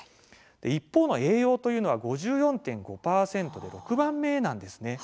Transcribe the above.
一方の栄養というのは５４．５％と６番目なんですね。